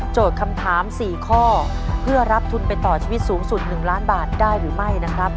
คำถาม๔ข้อเพื่อรับทุนไปต่อชีวิตสูงสุด๑ล้านบาทได้หรือไม่นะครับ